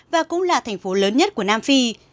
và cũng là thành phố lớn nhất của nam phi